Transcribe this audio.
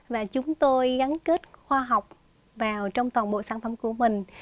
và chúng tôi gắn kết khoa học vào trong toàn bộ sản phẩm của mình